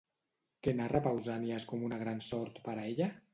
Què narra Pausànies com una gran sort per a ella?